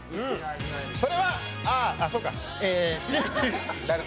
それはあ、そうか。